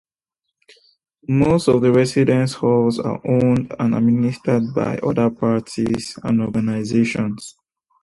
Most of the residence halls are owned and administered by other parties and organizations.